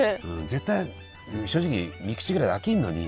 絶対正直３口ぐらいで飽きるのに。